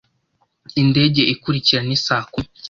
Indege ikurikira ni saa kumi.